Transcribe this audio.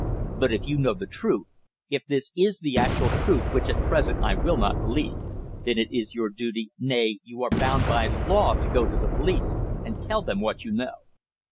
"But if you know the truth if this is the actual truth which at present I will not believe then it is your duty, nay, you are bound by law to go to the police and tell them what you know."